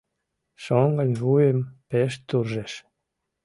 Шоҥгын вуйым пеш туржеш: